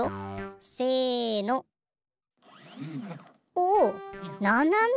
おおななめ。